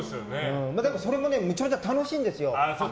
だけど、それもめちゃくちゃ楽しいんですよ。